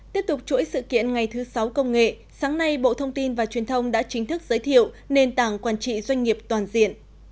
tiếp tục chuỗi sự kiện ngày thứ sáu công nghệ sáng nay bộ thông tin và truyền thông đã chính thức giới thiệu nền tảng quản trị doanh nghiệp toàn diện